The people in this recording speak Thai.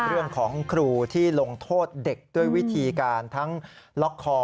เรื่องของครูที่ลงโทษเด็กด้วยวิธีการทั้งล็อกคอ